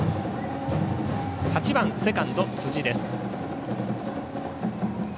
８番セカンド、辻です。